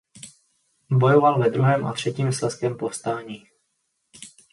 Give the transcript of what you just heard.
Bojoval ve druhém a třetím slezském povstání.